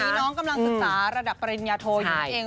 ตอนนี้น้องกำลังศึกษาระดับปริญญาโทยุนเอง